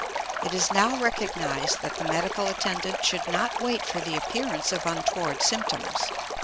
It is now recognized that the medical attendant should not wait for the appearance of untoward symptoms.